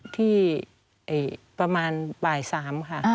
ที่ประมาณบ่าย๓ค่ะ